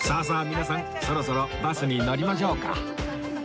皆さんそろそろバスに乗りましょうか